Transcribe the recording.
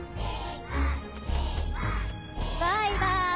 バイバイ。